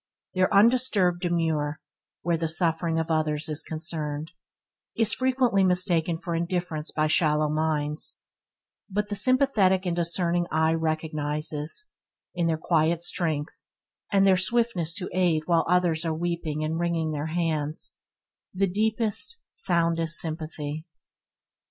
Their undisturbed demeanour, where the suffering of others is concerned, is frequently mistaken for indifference by shallow minds, but the sympathetic and discerning eye recognizes, in their quiet strength and their swiftness to aid while others are sweeping, and wronging their hands, the deepest, soundest sympathy.